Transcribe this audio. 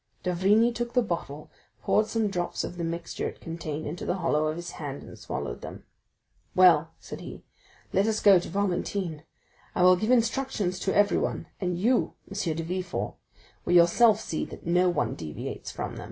D'Avrigny took the bottle, poured some drops of the mixture it contained in the hollow of his hand, and swallowed them. "Well," said he, "let us go to Valentine; I will give instructions to everyone, and you, M. de Villefort, will yourself see that no one deviates from them."